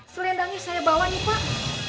selendangnya saya bawa nih pak